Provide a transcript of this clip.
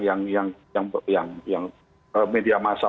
yang yang yang yang yang media massa